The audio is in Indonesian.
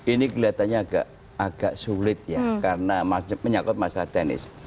ini kelihatannya agak sulit ya karena menyangkut masalah teknis